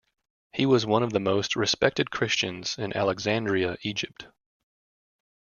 He was one of the most respected Christians in Alexandria, Egypt.